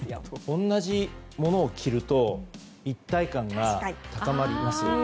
同じものを着ると一体感が高まりますよ。